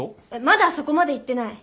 まだそこまで言ってない。